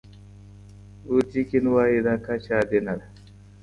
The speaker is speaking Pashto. بورجیګین وايي دا کچه عادي نه ده.